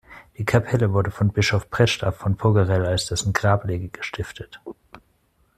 Die Kapelle wurde vom Bischof Preczlaw von Pogarell als dessen Grablege gestiftet.